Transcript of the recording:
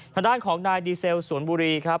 ทางด้านของนายดีเซลสวนบุรีครับ